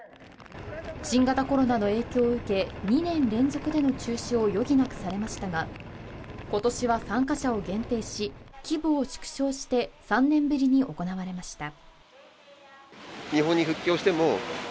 新型コロナの影響を受け２年連続での中止を余儀なくされましたが今年は参加者を限定し、規模を縮小して３年ぶりに行われました。